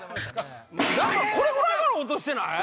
これぐらいから落としてない？